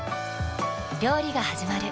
料理がはじまる。